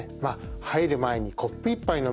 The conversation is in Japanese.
入る前にコップ１杯の水。